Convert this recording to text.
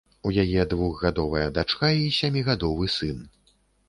У яе двухгадовая дачка і сямігадовы сын.